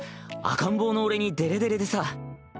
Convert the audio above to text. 赤ん坊の俺にデレデレでさ。